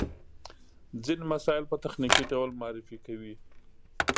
ځينې مسایل په تخنیکي ډول معرفي کوي.